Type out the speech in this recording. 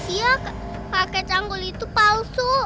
iya kakek canggul itu palsu